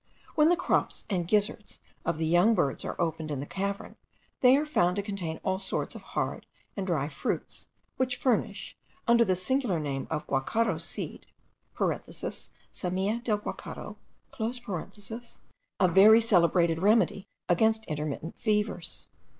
When the crops and gizzards of the young birds are opened in the cavern, they are found to contain all sorts of hard and dry fruits, which furnish, under the singular name of guacharo seed (semilla del guacharo), a very celebrated remedy against intermittent fevers.